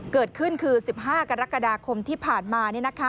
เกิดขึ้นคือ๑๕กรกฎาคมที่ผ่านมา